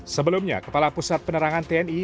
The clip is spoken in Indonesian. sebelumnya kepala pusat penerangan tni